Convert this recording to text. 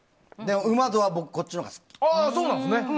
うま度は、こっちのほうが好き。